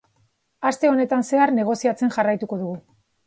Aste honetan zehar, negoziatzen jarraituko dugu.